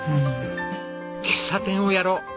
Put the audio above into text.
「喫茶店をやろう」。